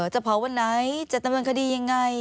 จะเผาวันไหนจะดำเนินคดียังไง